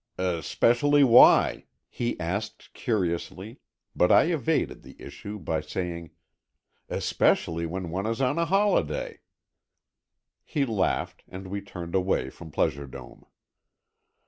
"Especially why?" he asked, curiously, but I evaded the issue by saying, "Especially when one is on a holiday." He laughed and we turned away from Pleasure Dome.